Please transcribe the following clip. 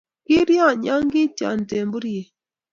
kiiryony ya koityi temburiek